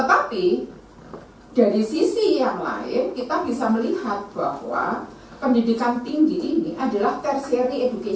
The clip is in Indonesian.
tapi dari sisi yang lain kita bisa melihat bahwa pendidikan tinggi ini adalah tersery emping